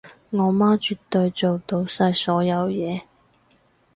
我媽絕對做到晒所有嘢